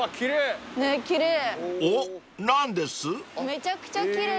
めちゃくちゃ奇麗。